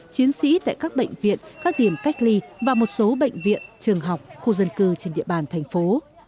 chiến sĩ tại các bệnh viện các điểm cách ly và một số bệnh viện trường học khu dân cư trên địa bàn thành phố